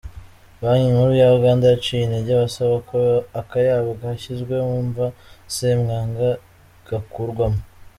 Banki nkuru ya Uganda yaciye intege abasaba ko akayabo kashyizwe mu mva Ssemwaga gakurwamo.